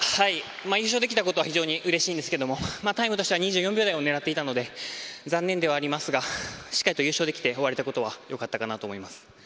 優勝できたことは非常にうれしいんですけどタイムとしては２４秒台を狙っていたので残念ではありますがしっかり優勝できて終われたことはよかったかなと思います。